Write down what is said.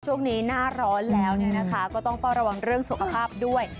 ช่วงนี้หน้าร้อนแล้วก็ต้องเฝ้าระวังเรื่องสุขภาพด้วย